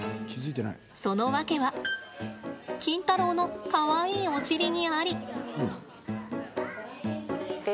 そのわけはキンタロウのかわいいお尻にあり。